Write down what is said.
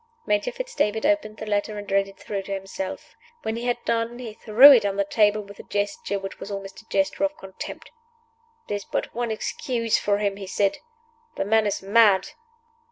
Major Fitz David opened the letter and read it through to himself. When he had done he threw it on the table with a gesture which was almost a gesture of contempt. "There is but one excuse for him," he said. "The man is mad."